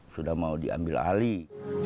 sudah mau diambil alih